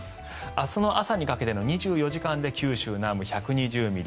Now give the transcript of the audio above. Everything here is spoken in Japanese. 明日の朝にかけての２４時間で九州南部、１２０ミリ